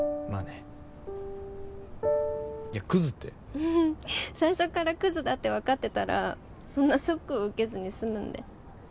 ふふっ最初からクズだってわかってたらそんなショックを受けずに済むんで。